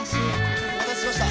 お待たせしました。